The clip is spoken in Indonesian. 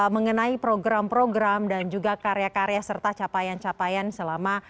mengenai program program dan juga karya karya serta capaian capaian selama